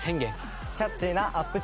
キャッチーなアップ